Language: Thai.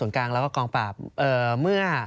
แล้วก็กองปราบเมื่อ